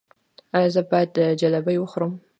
ایا زه باید جلبي وخورم؟